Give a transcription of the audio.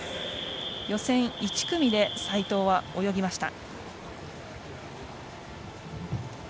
予選１組で齋藤は泳ぎました。